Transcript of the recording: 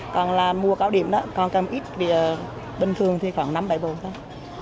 còn là mua cáo điểm đó còn ít bình thường thì khoảng năm bảy bộ thôi